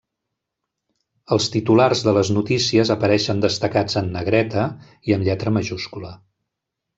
Els titulars de les notícies apareixen destacats en negreta i amb lletra majúscula.